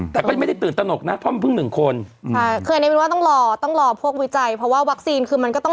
แต่ก็ไม่ได้ตื่นตนกนะเพราะมันเพิ่ง๑คน